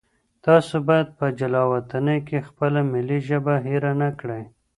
تاسو باید په جلاوطنۍ کې خپله ملي ژبه هېره نه کړئ.